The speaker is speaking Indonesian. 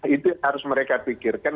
itu harus mereka pikirkan